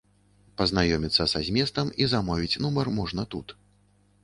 Пазнаёміцца са зместам і замовіць нумар можна тут.